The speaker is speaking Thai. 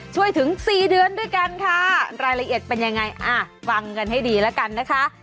ถึง๔เดือนด้วยกันค่ะรายละเอียดเป็นยังไงอ่ะฟังกันให้ดีแล้วกันนะคะ